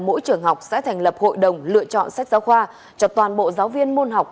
mỗi trường học sẽ thành lập hội đồng lựa chọn sách giáo khoa cho toàn bộ giáo viên môn học